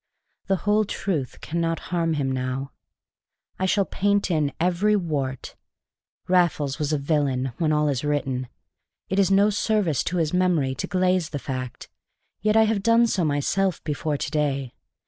The whole truth cannot harm him now. I shall paint in every wart. Raffles was a villain, when all is written; it is no service to his memory to glaze the fact; yet I have done so myself before to day.